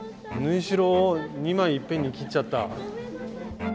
縫い代を２枚いっぺんに切っちゃった。